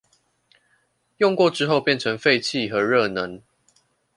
用過之後變成廢氣和熱能